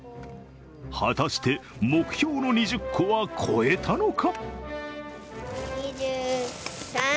果たして、目標の２０個は超えたのか？